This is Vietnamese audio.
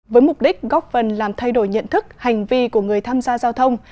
với mục đích góp phần làm thay đổi nhận thức hành vi của người tham gia giao thông